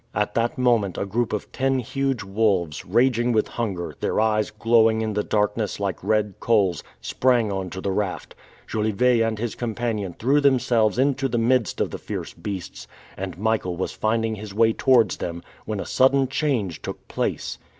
At that moment, a group of ten huge wolves, raging with hunger, their eyes glowing in the darkness like red coals, sprang onto the raft. Jolivet and his companion threw themselves into the midst of the fierce beasts, and Michael was finding his way towards them, when a sudden change took place.